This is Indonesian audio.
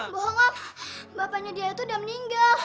bohong om bapaknya dia tuh udah meninggal